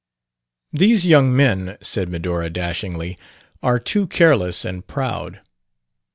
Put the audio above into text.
"These young men," said Medora dashingly, "are too careless and proud."